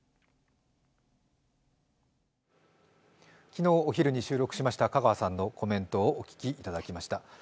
昨日お昼に収録しました香川さんのコメントをお聞きいただきました。